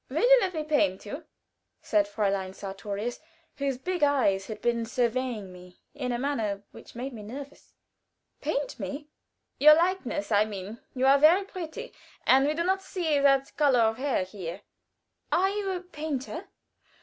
"Will you let me paint you?" said Fräulein Sartorius, whose big eyes had been surveying me in a manner that made me nervous. "Paint me?" "Your likeness, I mean. You are very pretty, and we never see that color of hair here." "Are you a painter?"